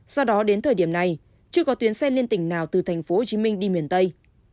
do đó đến thời điểm này chưa có tuyến xe liên tỉnh nào từ tp hcm đi miền tây